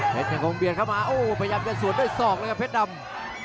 เพชรกับกรงเบียนเข้ามาโอ้โหพยายามจะสวดด้วยซอกเลยกับเพชรดำ